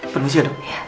permisi ya dok